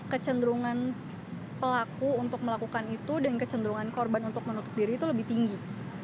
kecenderungan pelaku untuk melakukan itu dan kecenderungan korban untuk menutup diri itu lebih tinggi